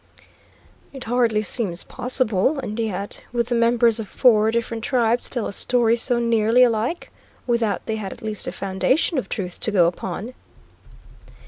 "It hardly seems possible, and yet would the members of four different tribes tell a story so nearly alike, without they had at least a foundation of truth to go upon?"